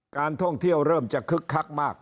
การท่องเที่ยวเริ่มจะคึกคักมาก